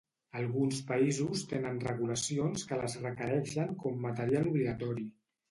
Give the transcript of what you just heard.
Alguns països tenen regulacions que les requereixen com material obligatori.